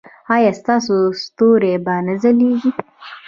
ایا ستاسو ستوري به نه ځلیږي؟